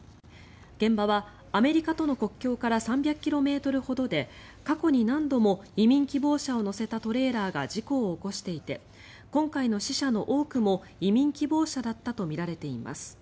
現場はアメリカ国境から３００ｋｍほどで過去に何度も移民希望者を乗せたトレーラーが事故を起こしていて今回の死者の多くも移民希望者だったとみられています。